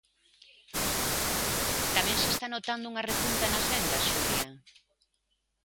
Tamén se está notando unha repunta nas vendas, Xulia.